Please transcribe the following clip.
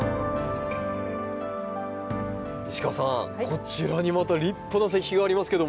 こちらにまた立派な石碑がありますけども。